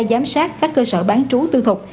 giám sát các cơ sở bán trú tư thuộc